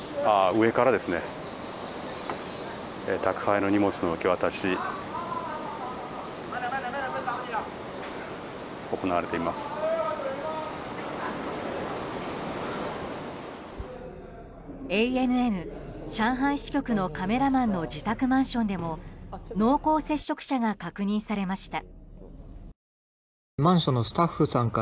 ＡＮＮ上海支局のカメラマンの自宅マンションでも濃厚接触者が確認されました。